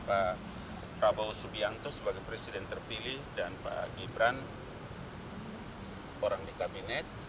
pak prabowo subianto sebagai presiden terpilih dan pak gibran orang di kabinet